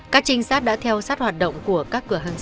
các trinh sát đã theo sát hoạt động của các cửa hàng